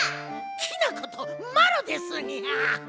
きなことまろですニャ！